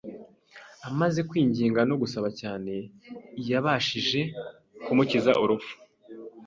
amaze kwinginga no gusaba cyane Iyabashije kumukiza urupfu